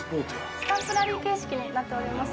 スタンプラリー形式になっております。